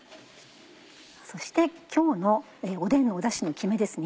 そして今日のおでんのダシのきめですね。